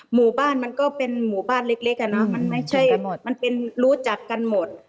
หมู่บ้านมันก็เป็นหมู่บ้านเล็กเล็กอ่ะเนอะมันไม่ใช่หมดมันเป็นรู้จักกันหมด